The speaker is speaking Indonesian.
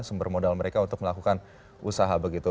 sumber modal mereka untuk melakukan usaha begitu